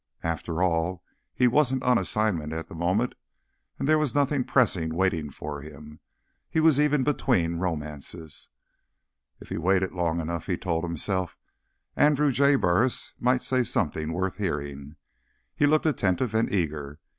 After all, he wasn't on assignment at the moment, and there was nothing pressing waiting for him. He was even between romances. If he waited long enough, he told himself, Andrew J. Burris might say something worth hearing. He looked attentive and eager.